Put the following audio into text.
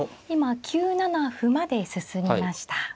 今９七歩まで進みました。